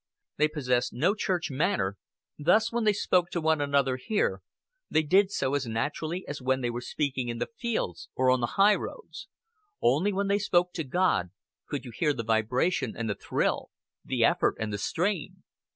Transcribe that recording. They possessed no church manner: thus, when they spoke to one another here, they did so as naturally as when they were speaking in the fields or on the highroads. Only when they spoke to God, could you hear the vibration and the thrill, the effort and the strain.